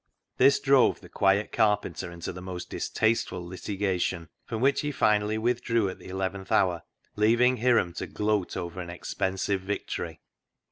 This drove the quiet carpenter into most distasteful litigation, from which he finally withdrew at the eleventh hour, leaving Hiram to gloat over an expensive victory.